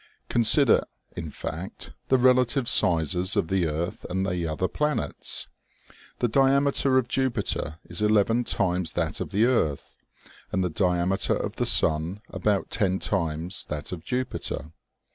Consider, in fact, the relative sizes of the earth and the other planets. The diameter of Jupiter is eleven times that of the earth, and the diameter of the sun about ten times that of Jupiter.